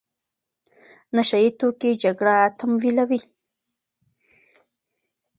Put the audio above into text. نشه يي توکي جګړه تمویلوي.